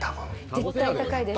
絶対高いで。